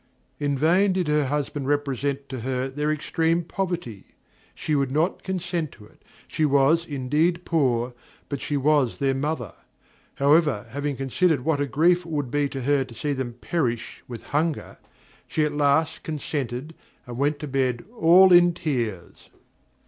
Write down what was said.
In vain did her husband represent to her their extreme poverty; she would not consent to it; she was, indeed poor, but she was their mother. However, having considered what a grief it would be to her to see them perish with hunger, she at last consented and went to bed all in tears.